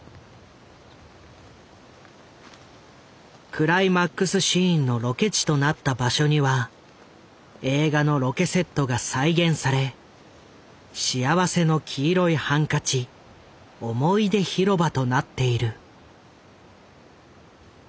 クライマックスシーンのロケ地となった場所には映画のロケセットが再現され「幸福の黄色いハンカチ想い出ひろば」となっている。